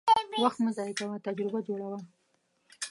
وخت مه ضایع کوه، تجربه جوړه وه.